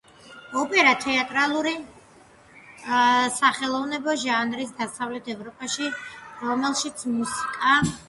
ოპერა თეატრალური სახელოვნებო ჟანრი დასავლეთ ევროპაში, რომელშიც მუსიკა